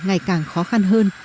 ngày càng khó khăn hơn